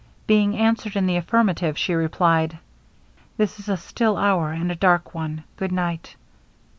Being answered in the affirmative, she replied, 'This is a still hour and a dark one! Good night!'